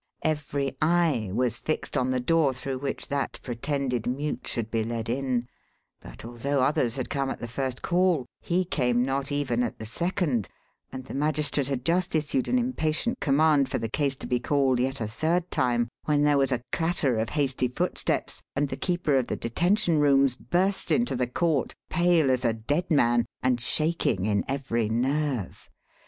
Every eye was fixed on the door through which that pretended mute should be led in; but although others had come at the first call, he came not even at the second, and the magistrate had just issued an impatient command for the case to be called yet a third time, when there was a clatter of hasty footsteps and the keeper of the detention rooms burst into the court pale as a dead man and shaking in every nerve.